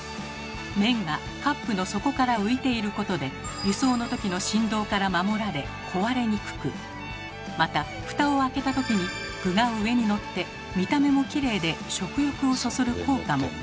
麺がカップの底から浮いていることで輸送の時の振動から守られ壊れにくくまた蓋を開けた時に具が上にのって見た目もきれいで食欲をそそる効果も。